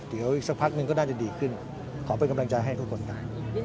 เดี๋ยวอีกสักพักหนึ่งก็น่าจะดีขึ้นขอเป็นกำลังใจให้ทุกคนได้